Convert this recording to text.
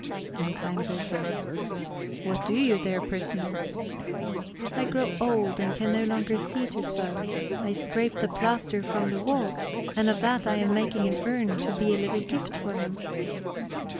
And time goes on... "What do you there, prisoner?" "I grow old, and can no longer see to sew; I scrape the plaster from the walls. And of that I am making an urn to be a little gift for him."